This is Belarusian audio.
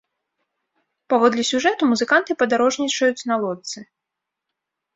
Паводле сюжэту, музыканты падарожнічаюць на лодцы.